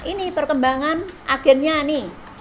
ini perkembangan agennya nih